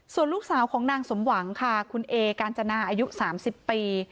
ส่วนลูกสาวของนางสมหวังค่ะคุณเอกาญจนาอายุ๓๐ปี